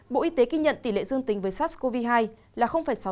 bộ y tế ghi nhận tỷ lệ dương tính với sars cov hai là sáu mươi bốn